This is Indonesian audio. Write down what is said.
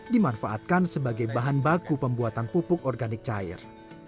dimanfaatkan sebagai bahan baku pembuatan pupuk organik cair